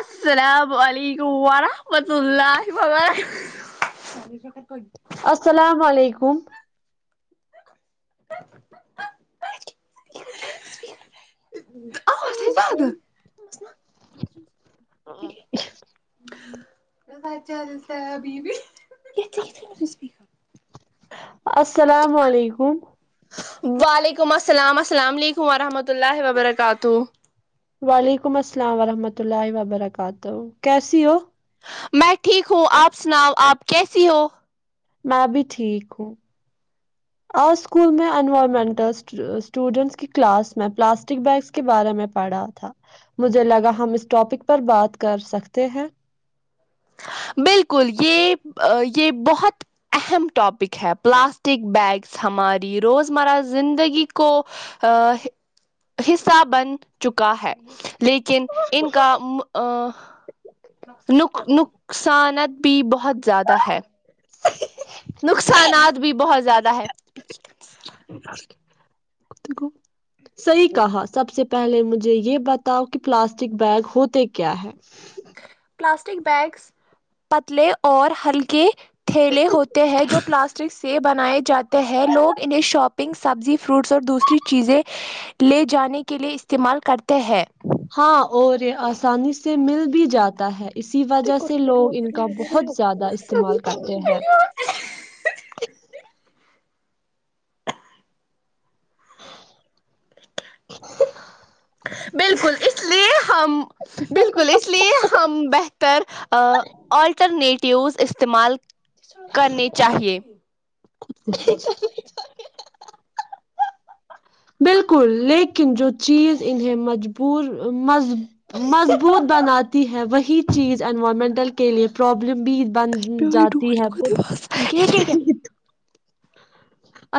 السلام علیکم ورحمۃ اللہ وکار السلام علیکم اج عبدت [unintelligible] چل ابھی بھی السلام علیکم وعلیکم السلام السلام علیکم وورحمۃ اللہ وبرکاتہ وعلیکم السلام ورحمۃ اللہ وبرکاتہ کیسی ہو میں ٹھیک ہوں آپ سناؤ آپ کیسی ہو میں بھی ٹھیک ہوں آج اسکول میں انوائرمنٹل اسٹوڈینٹس کی کلاس میں پلاسٹک بیگس کے بارے میں پڑھا تھا مجھے لگا ہم اس ٹاپک پر بات کر سکتے ہیں بالکل یہ یہ بہت اہم ٹاپک ہے پلاسٹک بیگس ہماری روزمرہ زندگی کو حصہ بن چکا ہے لیکن ان کا نک نک نقصانت بھی بہت زیادہ ہے [inaudible] نقصانات بھی [inaudible] [inaudible] صحی کہا سب سے پہلے مجھے یہ بتاؤ کہ پلاسٹک بیگ ہوتے کیا ہے [inaudible] پلاسٹک بیگس پتلے اور ہلکے تھیلے ہوتے ہیں جو پلاسٹک سے بنائے جاتے ہیں لوگ انہیں شاپنگ سبزی فروٹس اور دوسری چیزیں لے جانے کے لیے استعمال کرتے ہیں [inaudible] ہاں اور یہ آسانی سے مل بھی جاتا ہے [unintelligible] اسی وجہ سے لوگ ان کا بہت زیادہ استعمال کرتے ہیں [unintelligible] [inaudible] بالکل اس لیے ہم [unintelligible] بالکل اس لیے ہم بہتر آٹرنیٹ [unintelligible] ٹیوز استعمال [inaudible] کرنی چاہیے [unintelligible] بالکل لیکن جو چیز انہیں مجبور مضبوط بناتی ہے وہی چیز انوائرمنٹل کے لیے پرابلم بھی [unintelligible] پ جاتی ہے ڈ بس [inaudible]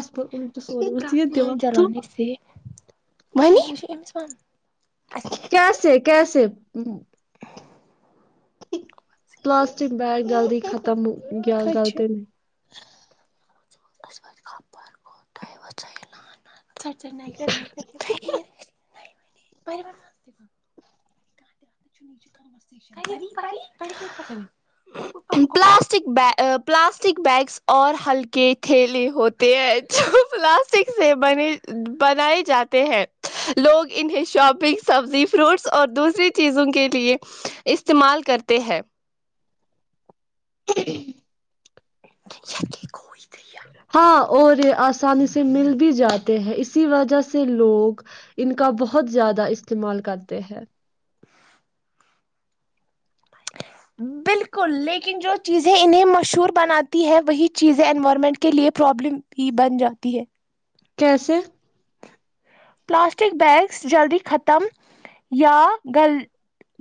اسپ [inaudible] اس بائی جلانے سے ونیمس ون [inaudible] کیسے کیسے [inaudible] ت [inaudible] پلاسٹک بیگ جلی ختم [unintelligible] کیا گل تو نہیں [unintelligible] ل [inaudible] سڑ چنا کرنا کر [inaudible] پلاسٹک پلاسٹک بیگس اور ہلکے [inaudible] کھیلی ہوتی ہے جو پلاسٹک سے ب بنائے جاتے ہیں لوگ انہیں شاپنگ سبزی فروٹس اور دوسری چیزوں کے لیے استعمال کرتے ہیں [inaudible] [inaudible] کہ کوئی گیا [inaudible] ہاں اور یہ آسانی سے مل بھی جاتے ہیں اسی وجہ سے لوگ ان کا بہت زیادہ استعمال کرتے ہیں [unintelligible] بالکل لیکن جو چیزیں انہیں مشہور بناتی ہے وہی چیزیں انوائرمنٹ کے لیے پرابلم بھی بن جاتی ہے [unintelligible] کیسے؟ [inaudible] پلاسٹک بیگس جلدی ختم یا گل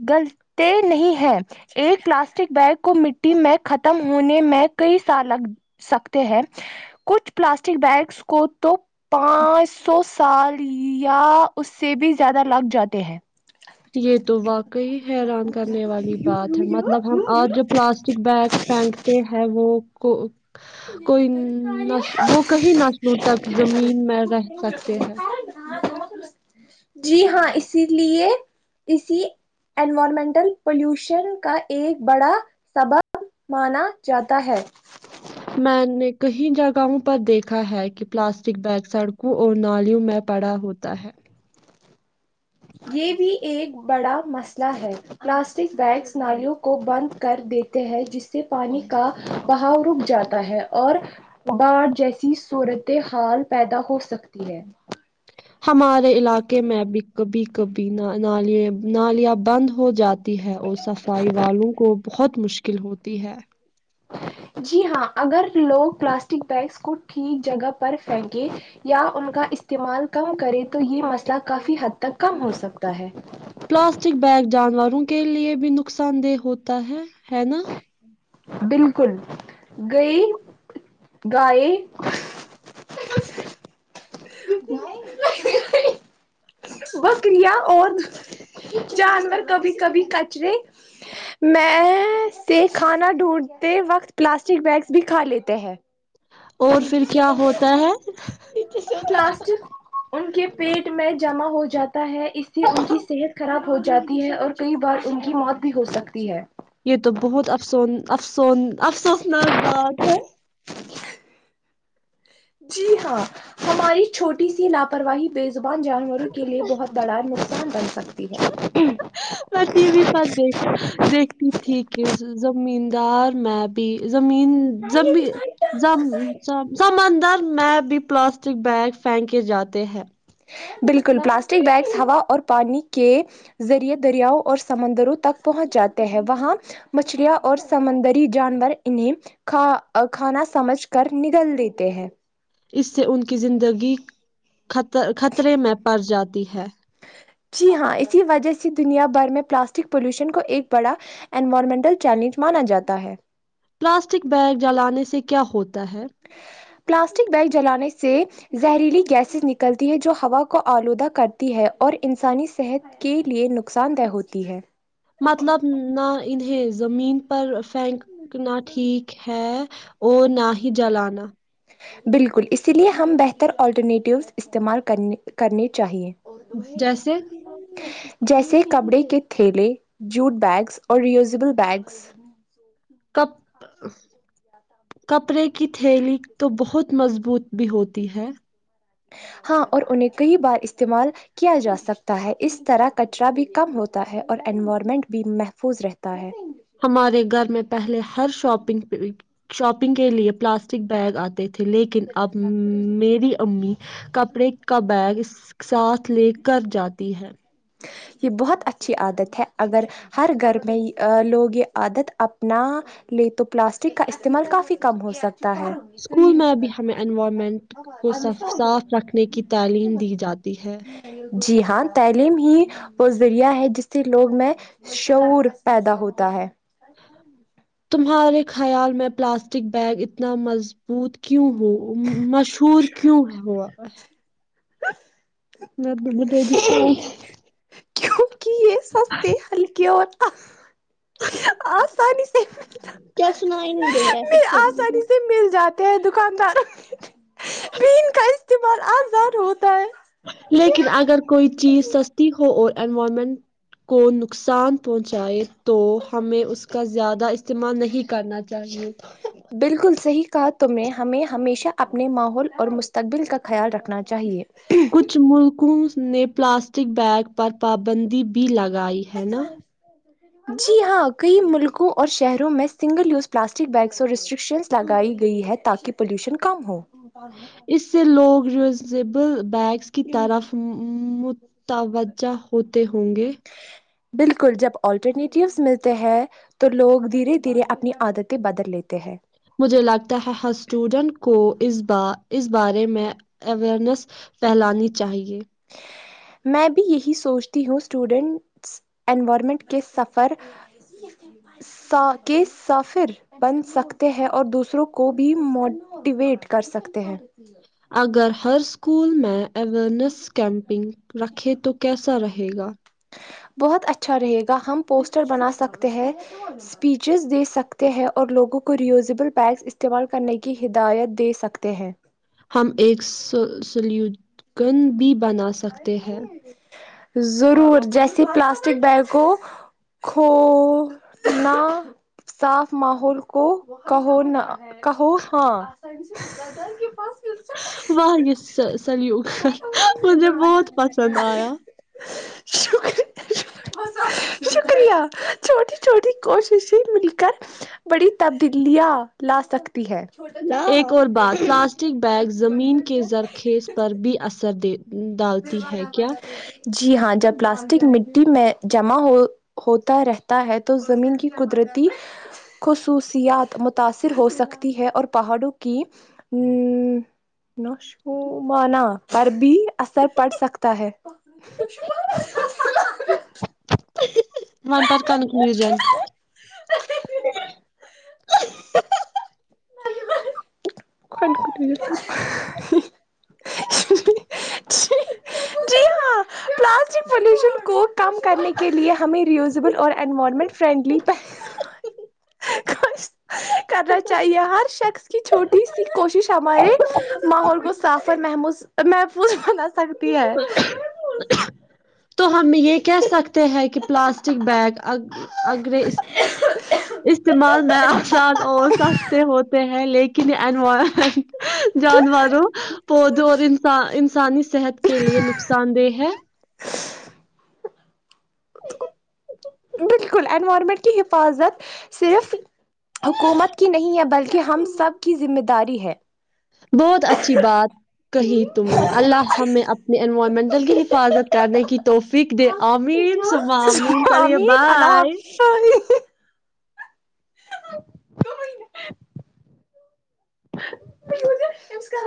گلتے نہیں ہے ایک پلاسٹک بیگ کو مٹی میں ختم ہونے میں کئی سال لگ سکتے ہیں کچھ پلاسٹک بیگس کو تو پانچ سو سال [unintelligible] یا اس سے بھی زیادہ لگ جاتے ہیں [inaudible] یہ تو واقعی حیران کرنے والی بات ہے مطلب ہم آج جو پلاسٹک بیگ پھینکتے ہیں وہ [unintelligible] کو [inaudible] کوئی نس وہ کئی نسلوں تک زمین میں رہ سکتے ہے [unintelligible] جی ہاں اسی لیے اسی انوائارمنٹل پلیوشن کا ایک بڑا سبب مانا جاتا ہے [unintelligible] میں نے کئی جگہوں پر دیکھا ہے کہ پلاسٹک بیگ سڑکوں اور نالیوں میں پڑا ہوتا ہے [unintelligible] یہ بھی ایک بڑا مسئلہ ہے پلاسٹک بیگس نالیوں کو بند کر دیتے ہیں جس سے پانی کا بہاؤ رک جاتا ہے اور باڑ جیسی صورت حال پیدا ہو سکتی ہے [unintelligible] ہمارے علاقے میں بھی کبھی کبھی نالی نالیاں بند ہو جاتی ہے اور صفائی والوں کو بہت مشکل ہوتی ہے [unintelligible] جی ہاں اگر لوگ پلاسٹک بیگس کو ٹھیک جگہ پر پھینکے یا ان کا استعمال کم کرے تو یہ مسئلہ کافی حد تک کم ہو سکتا ہے [unintelligible] پلاسٹک بیگ جانوروں کے لیے بھی نقصان دہ ہوتا ہے ہے نا [unintelligible] بالکل گئی گائے [unintelligible] بکریا اور جانور کبھی کبھی کچرے میں سے کھانا ڈھونڈتے وقت پلاسٹک بیگس بھی کھا لیتے ہیں [inaudible] اور پھر کیا ہوتا ہے پلاسٹک ان کے پیٹ میں جمع ہو جاتا ہے اس سے ان کی صحت خراب ہو جائے [unintelligible] جاتی ہے اور کئی بار ان کی موت بھی ہو سکتی ہے [unintelligible] یہ تو بہت افسون افسون افسوسناک بات ہے جی ہاں ہماری چھوٹی سی لاپرواہی ب زبان جانوروں کے لیے بہت بڑا نقصان بن سکتی ہے میں ٹی وی پر دیکھ دیکھتی تھی [unintelligible] کہ زمدار میں بھی [unintelligible] زمین ز سمانندر میپ [unintelligible] بھی پلاسٹک بیگ پھینکے جاتے ہیں [unintelligible] بالکل پلاسٹک بیگس ہوا اور پانی کے ذریعے دریاؤ اور سمندروں تک پہنچ جاتے ہیں وہاں مچھلیاں اور سمندری جانور انہیں کا کھانا سمجھ کر نگل دیتے ہیں اس سے ان کیی زندگی خطرے میں پڑ جاتی ہے جی ہاں اسی وجہ سے دنیا بھر میں پلاسٹک پولوشن کو ایک بڑا انوائرمنٹل چیلنج مانا جاتا ہے پلاسٹک بیگ جلانے سے کیا ہوتا تا ہے [unintelligible] پلاسٹک بیگ جلانے سے زہریلی گیسز نکلتی ہے جو ہوا کو آلودہ کرتی ہے اور انسانی صحت کے لیے نقصان دہ ہوتی ہے [unintelligible] مطلب ن انہیں زمین پر فینک [unintelligible] کنا ٹھیک ہے وہ نہ ہی جلانا [unintelligible] بالکل اسی لیے ہم بہتر آٹرنیٹوز استعمالنے کرنے چاہییں جیسے [unintelligible] جیسے کپڑے کے تھیلے جوٹ بیگس اور ریوزبل بیگس ک کپڑے کی تھیلی تو بہت مضبوط بھی ہوتی ہے ہاں اور انہیں کئی بار استعمال کیا جا سکتا ہے اس طرح کچرا بھی کم ہوتا ہے اور انوائرمنٹ بھی محفوظ رہتا ہے ہمارے گھر میں پہلے ہر شاپنگ شاپنگ کے لیے پلاسٹک بیگ آتے تھے لیکن اب میری امی کپڑے کا بیگ ساتھ [unintelligible] لے کر جاتی ہے یہ بہت اچھی عادت ہے اگر ہر گھر میں لوگ یہ عادت اپنا لے تو پلاسٹک کا استعمال کافی کم ہو سکتا اسکول میں بھی ہمیں انوائرمنٹ کو صاف رکھنے کی تعلیم دی جاتی ہے جی ہاں ت [unintelligible] عم ہی وہ ذریعہ ہے جس سے لوگ میں شعور پیدا ہوتا ہے [unintelligible] تمہارے خیال میں پلاسٹک بیگ اتنا مضبوط کیوں ہو مشہور کیوں ہے ہوا میں تو بٹ جی پیت آ [unintelligible] آسانی سے کیا سنا ہی نہیں دے رہا میں ہے سب آسانی سے مل جاتی تھ دکاندار [unintelligible] استعمال آزار ہوتا ہے لیکن اگر کوئی چیز سستی ہو اور انوائرمنٹ کو نقصان پہنچائے تو ہمیں اس کا زیادہ استعمال نہیں کرنا چاہیے بالکل صحیح کہا تم نے ہمیں ہمیشہ اپنے ماحول اور مستقبل کا خیال رکھنا چاہیے کچھ ملکوں سے نے پلاسٹک بیگ پر پابندی بھی لگائی لگائی ہے نا جی ہاں کئی ملکوں اور شہروں میں سنگل یوز پلاسٹک بیگس اور ریسٹرکشنس لگائی گئی ہے تاکہ پالوشن کم ہو اس سے لوگ ریوزبل بیگس کی طرف متوجہ ہوتے ہ ہوں گے بالکل جب آٹرنیٹوس ملتے ہیں تو لوگ دھیرے دھیرے اپنی عادتیں بدل لیتے ہیں مجھے لگتا ہے ہر اسٹوڈنٹ کو اس ب اس بارے میں اوئرنیس پھیلانی چاہیے میں بھی یہی سوچتی ہوں اسٹوڈنٹس انوائرمنٹ کے سفر کے سفر بن سکتے ہیں اور دوسروں کو بھی موٹیویٹ کر سکتے ہیں اگر ہر اسکولول میں اویرنس کیمپنگ [unintelligible] رکھے تو کیسا رہے گا بہت اچھا رہے گا ہم پوسٹر بنا سکتے ہیں اسپیچز دے سکتے ہیں اور لوگوں کو ریوزبل پگ استعمال کرنے کی ہدایت دے سکتے ہیں ہم ایک سلیو کن بھی بنا سکتے ہیں ضرور جیسے پلاسٹک بیگ کو کھونا صاف ماحول کو کہونا [unintelligible] کہو ہاں [unintelligible] سن کے پاس [unintelligible] واہ [unintelligible] سلیو مجھے بہت پسند آیا [unintelligible] ش [unintelligible] شکریہ چھوٹی چھوٹی کوششیں مل [unintelligible] گ بڑی [unintelligible] تبدیلیاں لا سکتے [unintelligible] ھوٹا ایک اور بات پلاسٹک چھوٹاتا بیگ [unintelligible] ر د ڈالتی ہے کیا [unintelligible] جی ہاں جب پلاسٹک مٹی میں جمع ہو ہوتا رہتا ہے تو زمین کی قدرتی خصوصیات متاثر ہو سکتی ہے اور پہاڑوں کی نوشانہ پر بھی اثر پڑ سکتا ہے من پرات کان م جائے جی ہاں پلاسٹک پوشن کو کم کرنے کے لیے ہمیں ریوزبل اور انوائرمنٹ فرینڈلی کرنا چاہیے ہر شخص کی چھوٹی سی کوشش ہمارے ماحول کو صاف اور محمو محفوظ بنا سکتی ہے تو ہم یہ کہہ سکتے ہیں کہ پلاسٹک بیگ ا اگگرے استعمال بیا سل اور سستے ہو ہیں لیکن انوائرمنٹ جانوروں پودوں اور انان انسانی صحت کے لیے نقصان دہ ہے ا ا انوارمینٹ کی حفاظت صرف حکومت کی نہیں ہے بلکہ کہ ہم سب کی ذمہ داری ہے بہت اچھی بات کہی تم نے اللہیں اپنے انوائرمنٹل کی حفاظت کرنے کی تو فک دے امین صبح امین چالے آمین اللہ بائے حافظ [inaudible]